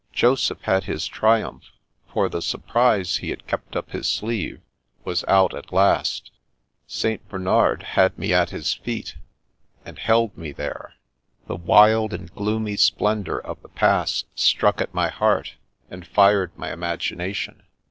Joseph had his triumph, for the surprise he had kept up his sleeve was out at last. St. Bernard had me at his feet, and held me there. The wild and gloomy splendour of the Pass struck at my heart, and fired my imagination.